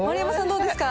どうですか？